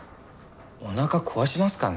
おなか壊しますかね？